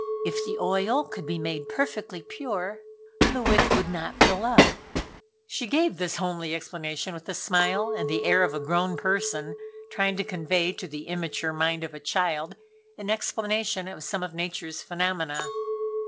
If the oil could be made perfectly pure, the wick would not fill up." She gave this homely explanation with a smile and the air of a grown person trying to convey to the immature mind of a child an explanation of some of Nature's phenomena.